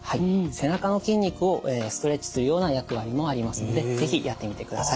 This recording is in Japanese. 背中の筋肉をストレッチするような役割もありますので是非やってみてください。